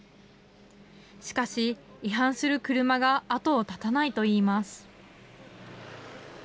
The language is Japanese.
しかし、違反する車が後を絶たないといいます。